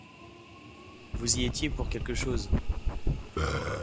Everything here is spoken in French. vous y étiez pour quelque chose.